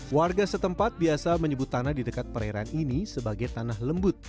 warga setempat biasa menyebut tanah di dekat perairan ini sebagai tanah lembut